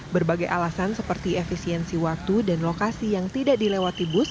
berbagai alasan seperti efisiensi waktu dan lokasi yang tidak dilewati bus